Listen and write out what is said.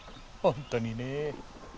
ほんとにね。